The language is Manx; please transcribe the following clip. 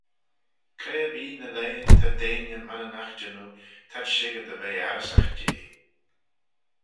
Cre erbee ny leighyn ta dheiney Mananagh jannoo t'ad shicker dy ve arrysagh jeh.